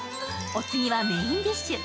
お次はメインディッシュ。